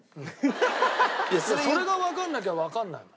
それがわかんなきゃわかんないもん。